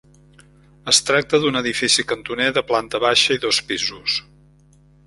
Es tracta d'un edifici cantoner de planta baixa i dos pisos.